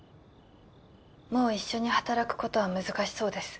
もう一緒に働くことは難しそうです